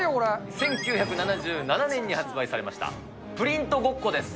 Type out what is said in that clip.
１９７７年に発売されました、プリントゴッコです。